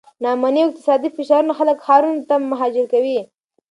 ناامني او اقتصادي فشارونه خلک ښارونو ته مهاجر کوي.